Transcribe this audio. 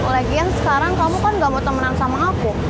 lagian sekarang kamu kan gak mau temenan sama aku